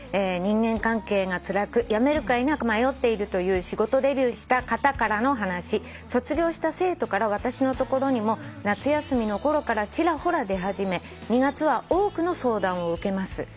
「人間関係がつらく辞めるか否か迷っているという仕事デビューした方からの話」「卒業した生徒から私のところにも夏休みのころからちらほら出始め２月は多くの相談を受けます」